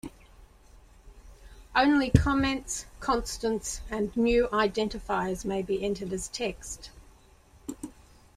Only comments, constants, and new identifiers may be entered as text.